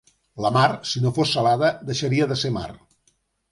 La mar, si no fos salada, deixaria de ser mar.